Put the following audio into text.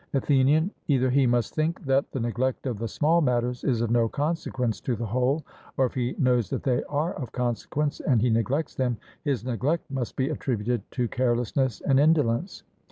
ATHENIAN: Either he must think that the neglect of the small matters is of no consequence to the whole, or if he knows that they are of consequence, and he neglects them, his neglect must be attributed to carelessness and indolence.